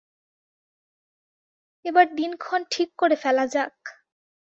এবার দিন ক্ষণ ঠিক করে ফেলা যাক।